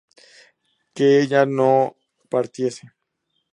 ¿que ella no partiese?